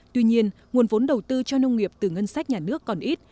tuy nhiên nguồn vốn đầu tư cho nông nghiệp từ ngân sách nhà nước còn ít